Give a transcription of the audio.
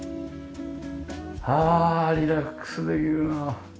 ああリラックスできるな。